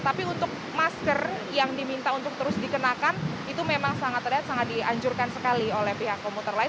tapi untuk masker yang diminta untuk terus dikenakan itu memang sangat terlihat sangat dianjurkan sekali oleh pihak komuter lain